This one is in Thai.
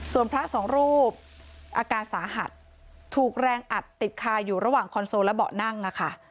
ส่วนพระสองรูปอาการสาหัสถูกแรงอัดติดคาอยู่ระหว่างคอนโซลและเบาะนั่งอะค่ะ